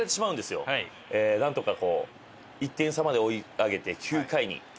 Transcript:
なんとかこう１点差まで追い上げて９回に。